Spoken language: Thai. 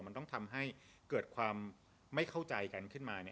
มันต้องทำให้เกิดความไม่เข้าใจกันขึ้นมา